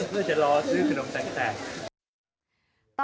เพื่อจะรอซื้อขนมแสงแตก